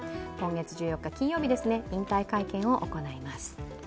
今月１４日金曜日、引退会見を行います。